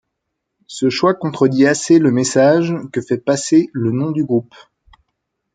Ce choix contredit assez le message que fait passer le nom du groupe.